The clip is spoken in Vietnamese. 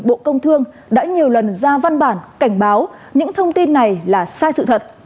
bộ công thương đã nhiều lần ra văn bản cảnh báo những thông tin này là sai sự thật